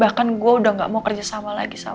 bahkan gue udah nggak mau kerja sama lagi sama lo